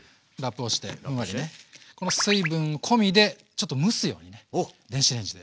この水分込みでちょっと蒸すようにね電子レンジで。